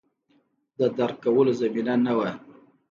د درک کولو زمینه نه وه